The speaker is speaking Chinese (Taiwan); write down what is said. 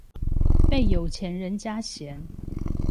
被有錢人家嫌